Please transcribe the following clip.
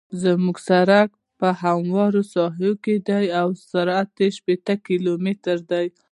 زما سرک په همواره ساحه کې دی او سرعت یې شپیته کیلومتره دی